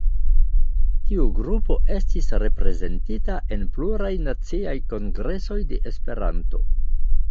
Tiu grupo estis reprezentita en pluraj naciaj kongresoj de Esperanto.